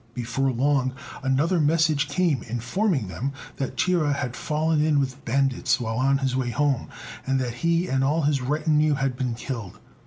Before long another message came, informing them that Chia had fallen in with bandits while on his way home, and that he and all his retinue had been killed.